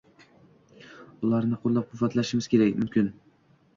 ularni qo‘llab-quvvatlashimiz mumkin